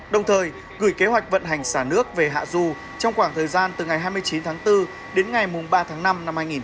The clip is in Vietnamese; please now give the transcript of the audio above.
đồng thời gửi kế hoạch vận hành xả nước về hạ du trong khoảng thời gian từ ngày hai mươi chín tháng bốn đến ngày ba tháng năm năm hai nghìn hai mươi bốn